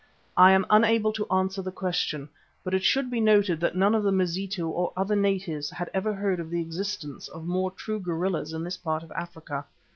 I am unable to answer the question, but it should be noted that none of the Mazitu or other natives had ever heard of the existence of more true gorillas in this part of Africa.